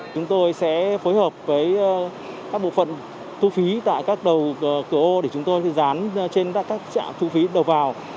chúng tôi sẽ phối hợp với các bộ phận thu phí tại các đầu cửa ô để chúng tôi dán trên các trạm thu phí đầu vào